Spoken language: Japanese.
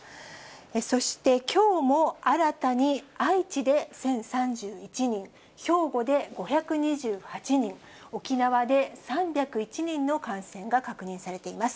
そして、きょうも新たに愛知で１０３１人、兵庫で５２８人、沖縄で３０１人の感染が確認されています。